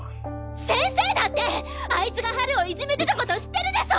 先生だってあいつがハルをいじめてたこと知ってるでしょ！？